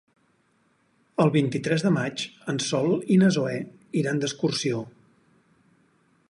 El vint-i-tres de maig en Sol i na Zoè iran d'excursió.